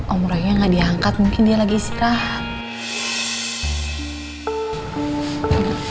om roynya gak diangkat mungkin dia lagi istirahat